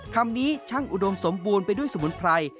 คำนี้ช่างอุดมสมบูรณ์ไปด้วยสมุนไพร